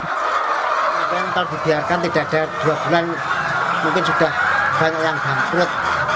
tapi kalau dibiarkan tidak ada dua bulan mungkin sudah banyak yang bangkrut